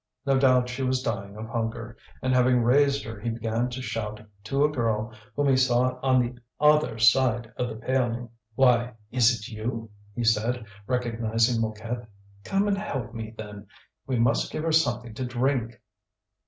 No doubt she was dying of hunger; and having raised her he began to shout to a girl whom he saw on the other side of the paling. "Why! is it you?" he said, recognizing Mouquette. "Come and help me then, we must give her something to drink."